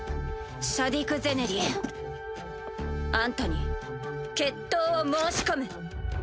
シャディク・ゼネリあんたに決闘を申し込む。